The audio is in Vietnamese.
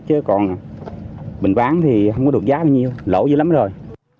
chứ còn bình bán thì không có được giá bao nhiêu lỗ dữ lắm rồi